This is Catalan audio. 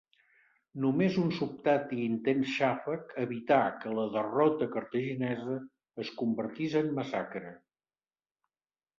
Només un sobtat i intens xàfec evità que la derrota cartaginesa es convertís en massacre.